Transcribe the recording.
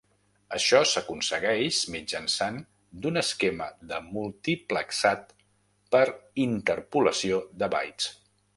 Això s'aconsegueix mitjançant d'un esquema de multiplexat per interpolació de bytes.